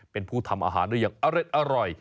เป็นผู้ทำอาหารด้วยอย่างอร็ดอร่อย